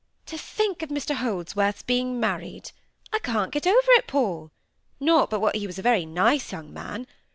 "To think of Mr Holdsworth's being married! I can't get over it, Paul. Not but what he was a very nice young man!